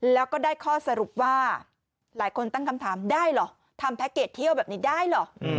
แล้วก็ได้ข้อสรุปว่าหลายคนตั้งคำถามได้เหรอทำแพ็คเกจเที่ยวแบบนี้ได้เหรอ